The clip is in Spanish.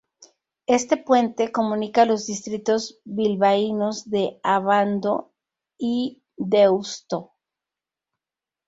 Este puente comunica los distritos bilbaínos de Abando y Deusto.